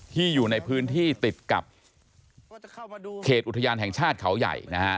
อยู่ในพื้นที่ติดกับเขตอุทยานแห่งชาติเขาใหญ่นะฮะ